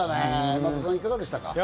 松田さん、いかがでしたか？